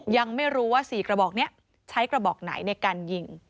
ยังไม่รู้ว่า๔กระบอกนี้ใช้กระบอกไหนในการยิง